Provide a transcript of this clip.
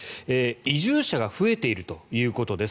移住者が増えているということです。